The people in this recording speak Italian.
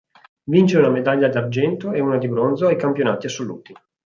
Vince una medaglia d'argento e una di bronzo ai campionati assoluti.